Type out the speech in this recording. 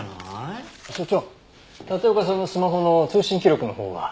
所長立岡さんのスマホの通信記録のほうは？